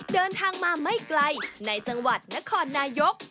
เดินทางมาไม่ไกลในจังหวัดนครนายก